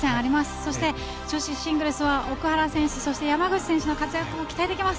そして、女子シングルスは奥原選手そして山口選手の活躍も期待できます。